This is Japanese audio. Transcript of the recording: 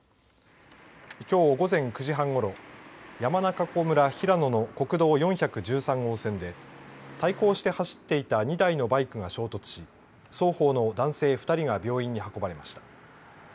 きょう午前９時半ごろ山中湖村平野の国道４１３号線で対抗して走っていた２台のバイクが衝突し双方の男性２人が病院に運ばれました。